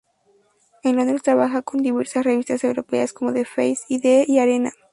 En Londres trabajó con diversas revistas europeas como The Face, i-D y Arena.